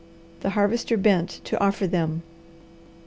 The Harvester bent to offer them.